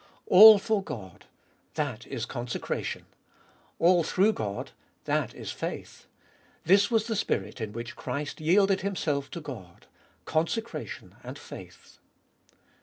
2. All for God: that is consecration. All through God: that is faith. This was the spirit in which Christ yielded Himself to God : consecration and faith.